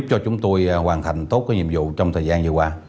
giúp cho chúng tôi hoàn thành tốt nhiệm vụ trong thời gian vừa qua